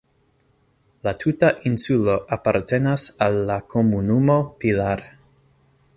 La tuta insulo apartenas al la komunumo Pilar.